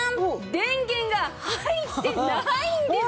電源が入ってないんです！